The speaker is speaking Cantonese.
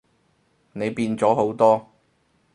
你變咗好多